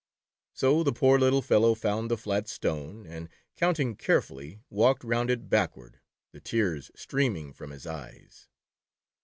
So the poor little fellow found the flat stone and counting carefully, walked round it backward, the tears streaming from his eyes.